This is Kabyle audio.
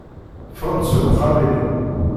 Ffɣemt seg uxxam-inu.